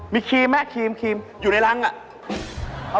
มีครีมไหมครีมอยู่ในรังอ่ะ